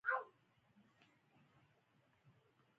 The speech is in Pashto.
ورزش د بدن میتابولیزم چټکوي.